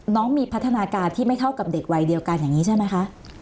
น้องมีพัฒนาการที่ไม่เท่ากับเด็กวัยเดียวกันอย่างนี้ใช่ไหมคะ